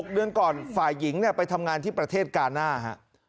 เดือนก่อนฝ่ายหญิงไปทำงานที่ประเทศกาน่าฮะ